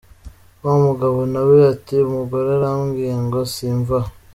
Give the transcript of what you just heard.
Wa mugabo na we ati "Umugore arambwiye ngo simve aha!’".